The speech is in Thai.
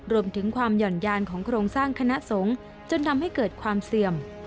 รวมถึงความหย่อนยานของโครงสร้างคณะสงฆ์จนทำให้เกิดความเสื่อม